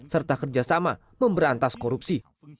serta kerjasama memberantas korupsi